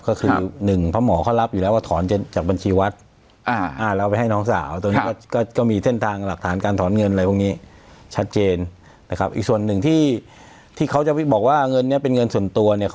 ก็คือหนึ่งพระหมอเขารับอยู่แล้วว่าถอนจากบัญชีวัด